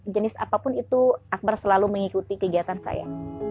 jenis apapun itu akbar selalu mengikuti kegiatan saya